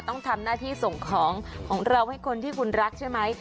ต้องทำหน้าที่ส่งของของเราให้คนที่คุณรักใช่ไหม